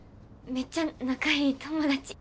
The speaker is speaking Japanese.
めっちゃ仲良い友達。